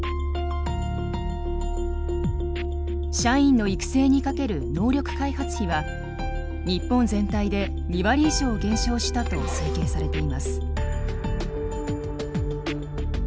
社員の育成にかける能力開発費は日本全体で２割以上減少したと推計されています。